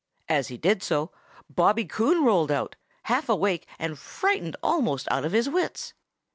As he did so, Bobby Coon rolled out, half awake and frightened almost out of his wits.